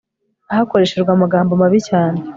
hakoreshejwe amagambo mabi cyane